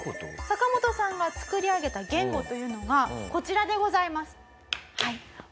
サカモトさんが作り上げた言語というのがこちらでございます。